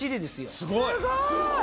すごい。